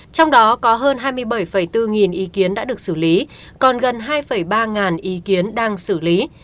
trong đó có hơn hai mươi bảy bốn nghìn ý kiến đã được xử lý còn gần hai ba ý kiến đang xử lý